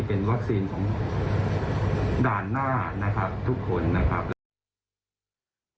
เป็นวัคซีนของด่านหน้าทุกคนนะครับ